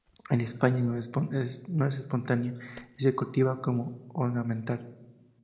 En España no es espontánea y se cultiva como ornamental.